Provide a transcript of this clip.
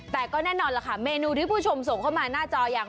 แต่ก็แน่นอนล่ะค่ะเมนูที่ผู้ชมส่งเข้ามาหน้าจออย่าง